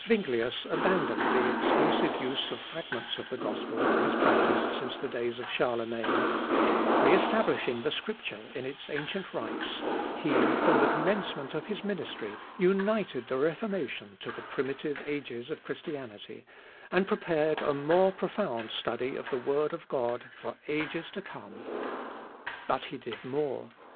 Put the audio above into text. Thus Zuinglius abandoned the exclusive use of fragments of the gospel as practised since the days of Charlemagne; re establishing the Scripture in its ancient rights, he, from the commencement of his ministry, united the Reformation to the primitive ages of Christianity, and prepared a more profound study of the Word of God for ages to come. But he did more.